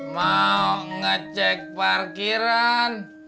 mau ngecek parkiran